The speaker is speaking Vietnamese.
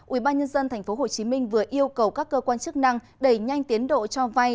ubnd tp hcm vừa yêu cầu các cơ quan chức năng đẩy nhanh tiến độ cho vay